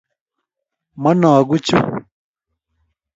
Mornoguk chuu